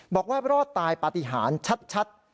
บอกว่ารอดตายปฏิหารชัด